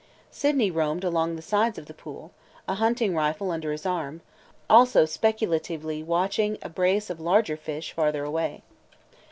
Sydney roamed along the sides of the pool, a hunting rifle under his arm, also speculatively watching a brace of larger fish farther away.